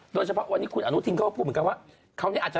โดยเฉพาะวันนี้คุณอนุทิงก็พูดเหมือนกันว่า